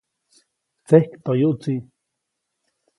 Tsekjtoyuʼtsi.